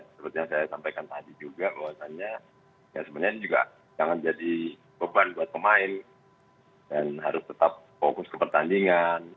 seperti yang saya sampaikan tadi juga bahwasannya ya sebenarnya ini juga jangan jadi beban buat pemain dan harus tetap fokus ke pertandingan